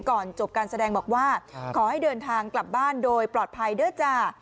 ก่อนจบการแสดงบอกว่าขอให้เดินทางกลับบ้านโดยปลอดภัยด้วยจ้า